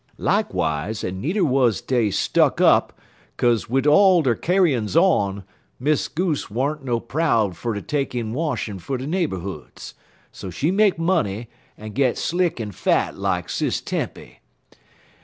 Likewise, en needer wuz dey stuck up, kase wid all der kyar'n's on, Miss Goose wer'n't too proud fer ter take in washin' fer de neighborhoods, en she make money, en get slick en fat lak Sis Tempy.